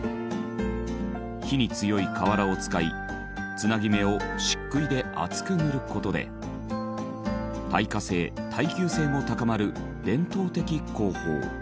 火に強い瓦を使いつなぎ目を漆喰で厚く塗る事で耐火性耐久性も高まる伝統的工法。